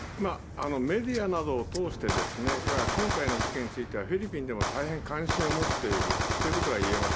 メディアなどを通して今回の事件についてはフィリピンでも大変関心を持っているということが言えます。